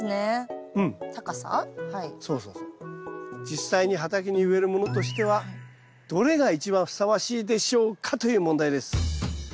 実際に畑に植えるものとしてはどれが一番ふさわしいでしょうか？という問題です。